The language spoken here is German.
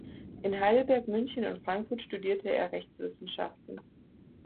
In Heidelberg, München und Frankfurt studierte er Rechtswissenschaften.